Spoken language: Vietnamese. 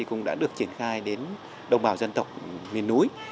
cũng đã được triển khai đến đồng bào dân tộc miền núi